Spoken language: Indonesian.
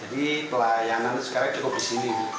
jadi pelayanan sekarang ini cukup di sini